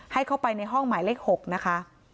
ให้เข้าไปในห้องหมายเลข๖นะคะ